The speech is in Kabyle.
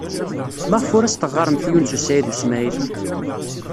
Maɣef ur as-teɣɣaremt i Yunes u Saɛid u Smaɛil?